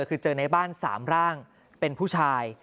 คือเจอในบ้าน๓ร่างเป็นผู้ชาย